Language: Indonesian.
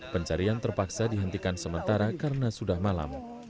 pencarian terpaksa dihentikan sementara karena sudah malam